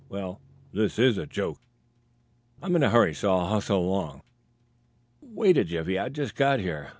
Well, this is a joke!" "I'm in a hurry, so I'll hustle along." "Wait a jiffy. I've just got here.